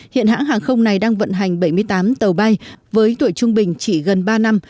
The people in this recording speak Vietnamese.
hiện hãng hàng không này đang vận hành bảy mươi tám tàu bay với tuổi trung bình chỉ gần ba năm